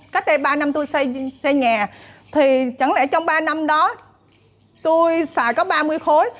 cách đây ba năm tôi xây nhà thì chẳng lẽ trong ba năm đó tôi xài có ba mươi khối